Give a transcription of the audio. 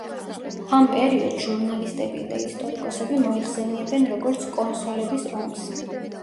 ამ პერიოდს ჟურნალისტები და ისტორიკოსები მოიხსენიებენ, როგორც „კონსოლების ომს“.